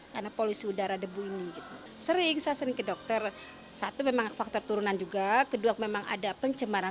jejak polusi industri dengan cepat membekas di jendela dinding dan lantai